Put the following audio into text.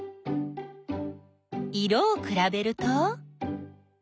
色をくらべると？